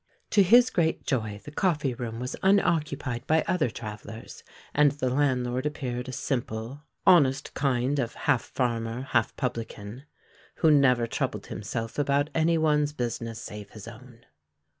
To his great joy the coffee room was unoccupied by other travellers; and the landlord appeared a simple, honest kind of half farmer, half publican, who never troubled himself about any one's business save his own.